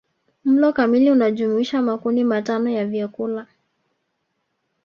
Mlo kamili unajumuisha makundi matano ya vyakula